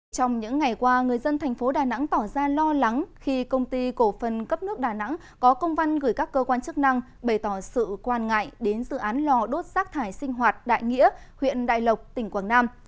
trong những ngày qua người dân thành phố đà nẵng tỏ ra lo lắng khi công ty cổ phần cấp nước đà nẵng có công văn gửi các cơ quan chức năng bày tỏ sự quan ngại đến dự án lò đốt rác thải sinh hoạt đại nghĩa huyện đại lộc tỉnh quảng nam